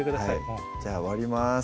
もうじゃあ割ります